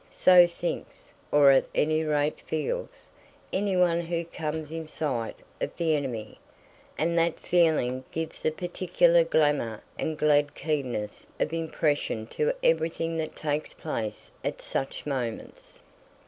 So thinks, or at any rate feels, anyone who comes in sight of the enemy, and that feeling gives a particular glamour and glad keenness of impression to everything that takes place at such moments.